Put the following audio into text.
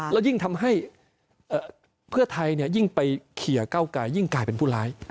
แล้วยิ่งทำให้เพื่อไทยยิ่งไปเคลียร์เก้ากายยิ่งกลายเป็นผู้ร้าย